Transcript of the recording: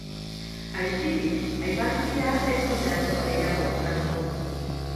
Aitzitik, aipatu bira ez dute askoz gehiago luzatuko.